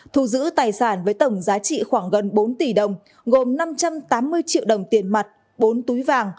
thu giữ tài sản với tổng giá trị khoảng gần bốn tỷ đồng gồm năm trăm tám mươi triệu đồng tiền mặt bốn túi vàng